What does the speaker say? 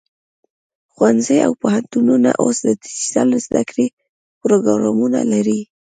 ښوونځي او پوهنتونونه اوس د ډیجیټل زده کړې پروګرامونه لري.